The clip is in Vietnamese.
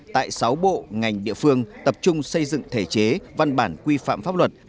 tại sáu bộ ngành địa phương tập trung xây dựng thể chế văn bản quy phạm pháp luật